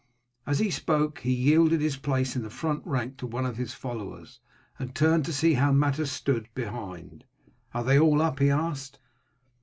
As he spoke he yielded his place in the front rank to one of his followers, and turned to see how matters stood behind. "Are they all up?" he asked.